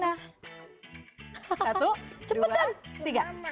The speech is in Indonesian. nah satu dua tiga